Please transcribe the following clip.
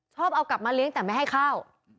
ชอบเอากลับมาเลี้ยงแต่ไม่ให้ข้าว